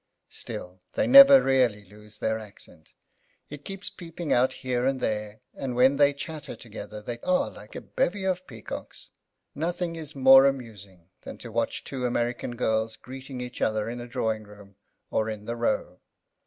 Still, they never really lose their accent; it keeps peeping out here and there, and when they chatter together they are like a bevy of peacocks. Nothing is more amusing than to watch two American girls greeting each other in a drawing room or in the Row.